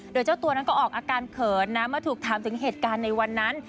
โดยเจ้าตัวนั้นก็ออกอาการเขินนะเมื่อถูกถามถึงเหตุการณ์ในวันนั้น